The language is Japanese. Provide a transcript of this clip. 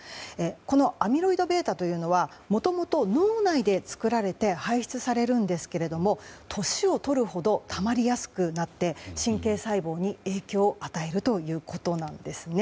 このアミロイドβというのはもともと脳内で作られて排出されるんですけれども年を取るほどたまりやすくなって神経細胞に影響を与えるということです。